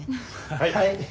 はい。